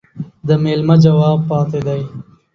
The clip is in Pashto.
د ميلمه جواب پاتى دى.